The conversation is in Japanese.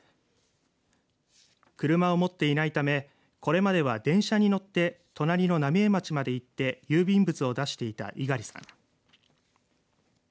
車を持っていないためこれまでは電車に乗って隣の浪江町まで行って郵便物を出していた猪狩さん。